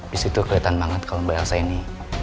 disitu keliatan banget kalau mbak elsa ini